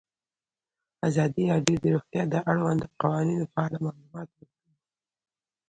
ازادي راډیو د روغتیا د اړونده قوانینو په اړه معلومات ورکړي.